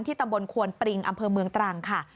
ตำบลควนปริงอำเภอเมืองตรังค่ะ